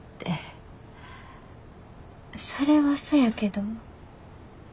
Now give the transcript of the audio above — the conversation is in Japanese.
それはそやけど。